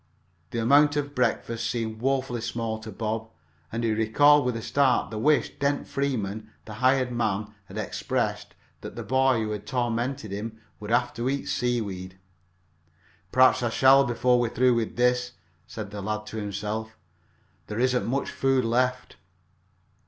The amount of breakfast seemed woefully small to Bob, and he recalled with a start the wish Dent Freeman, the hired man, had expressed, that the boy who tormented him would have to eat seaweed. "Perhaps I shall before we're through with this," said the lad to himself. "There isn't much more food left."